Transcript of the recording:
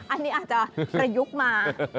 อันนี้อาจจะขยุกมา